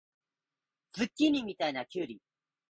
ズッキーニみたいなきゅうり